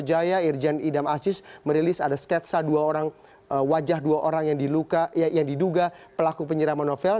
jaya irjen idam aziz merilis ada sketsa wajah dua orang yang diduga pelaku penyeraman novel